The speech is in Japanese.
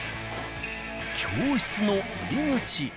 教室の入り口。